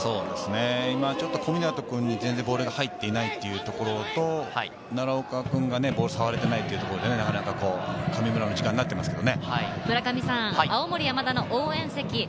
今ちょっと小湊君に全然ボールが入っていないというところと、奈良岡君がボールを触れていないというところで、なかなか、神村の時間になっていますね。